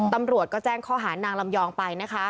ตำรวจก็แจ้งข้อหานางลำยองไปนะคะ